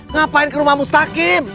ngapain ke rumah mustaqim